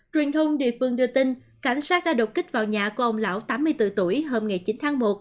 truyền thông địa phương đưa tin cảnh sát đã đột kích vào nhà của ông lão tám mươi bốn tuổi hôm ngày chín tháng một